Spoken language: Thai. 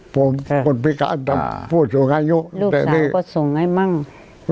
ผมคนพิการพูดส่งให้อยู่